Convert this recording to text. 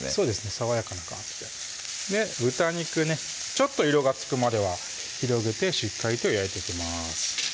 爽やかな感じで豚肉ねちょっと色がつくまでは広げてしっかりと焼いていきます